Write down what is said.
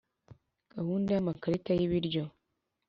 Gahunda y amakarita y ibiryo